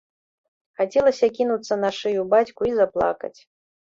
Хацелася кінуцца на шыю бацьку і заплакаць.